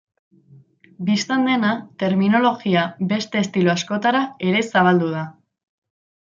Bistan dena, terminologia beste estilo askotara ere zabaldu da.